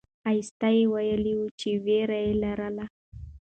ښایسته ویلي وو چې ویره یې لرله.